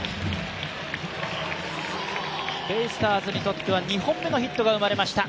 ベイスターズにとっては２本目のヒットが生まれました